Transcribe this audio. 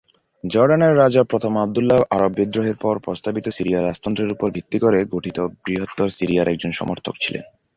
জর্ডানের রাজা প্রথম আবদুল্লাহ আরব বিদ্রোহের পর প্রস্তাবিত সিরিয়া রাজতন্ত্রের উপর ভিত্তি করে গঠিত বৃহত্তর সিরিয়ার একজন সমর্থক ছিলেন।